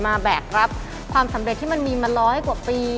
แบกรับความสำเร็จที่มันมีมาร้อยกว่าปี